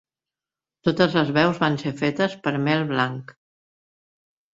Totes les veus van ser fetes per Mel Blanc.